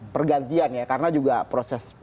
pergantian ya karena juga proses